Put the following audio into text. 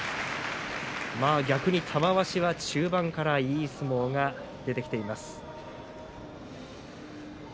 逆に玉鷲は中盤からいい相撲が出てきています。